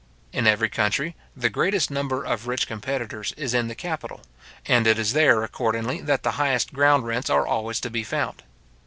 In every country, the greatest number of rich competitors is in the capital, and it is there accordingly that the highest ground rents are always to be found.